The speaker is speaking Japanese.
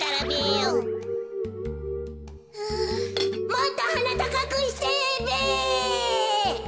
もっとはなたかくしてべ！